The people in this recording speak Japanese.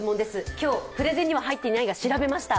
今日、プレゼンには入っていないが調べました。